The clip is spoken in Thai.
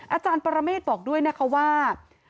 อาจารย์ปรเมฆบอกด้วยนะคะว่า